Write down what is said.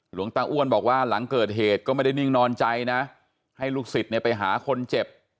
หลวงตาอ้วนบอกว่าหลังเกิดเหตุก็ไม่ได้นิ่งนอนใจนะให้ลูกศิษย์เนี่ยไปหาคนเจ็บ